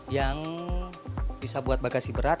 yang bisa buat bagasi berat